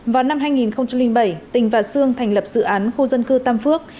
vào năm hai nghìn bảy tỉnh và xương thành lập dự án khu dân cư tam phước